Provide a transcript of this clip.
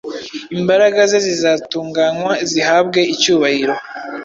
imbaraga ze zizatunganywa, zihabwe icyubahiro,